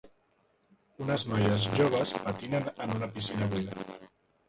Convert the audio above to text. Unes noies joves patinen en una piscina buida.